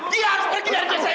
dia harus pergi dari desa ini